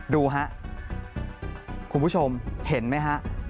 ดูครับคุณผู้ชมเห็นไหมครับ